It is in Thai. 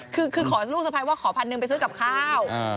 คือขอลูกสะพ้ายว่าขอพันหนึ่งไปซื้อกับข้าว